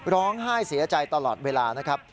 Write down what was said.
ร้องไห้เสียใจตลอดเวลานะครับ